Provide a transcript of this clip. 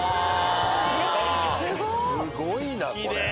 すごいなこれ。